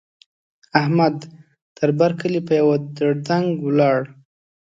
احمد؛ تر بر کلي په يوه دړدنګ ولاړ.